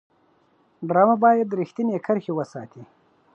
ډرامه باید رښتینې کرښې وساتي